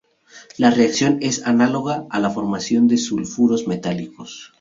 La reacción es análoga a la formación de sulfuros metálicos.